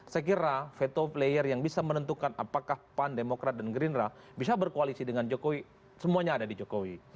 saya kira veto player yang bisa menentukan apakah pan demokrat dan gerindra bisa berkoalisi dengan jokowi semuanya ada di jokowi